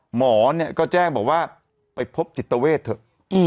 หมอเนี่ยก็แจ้งบอกว่าไปพบจิตเวทเถอะ